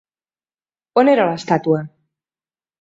On era l'estàtua?